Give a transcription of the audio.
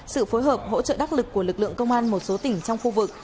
sự phối hợp hỗ trợ đắc lực của lực lượng công an một số tỉnh trong khu vực